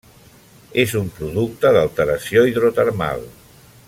És un producte d'alteració hidrotermal.